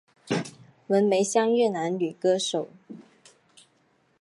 文梅香越南女歌手。